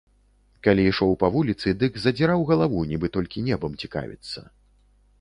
Калі ішоў па вуліцы, дык задзіраў галаву, нібы толькі небам цікавіцца.